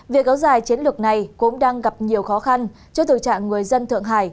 việc gấu dài chiến lược này cũng đang gặp nhiều khó khăn cho tự trạng người dân thượng hải